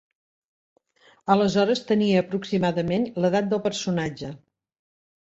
Aleshores tenia aproximadament l'edat del personatge.